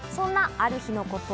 そんなある日のこと。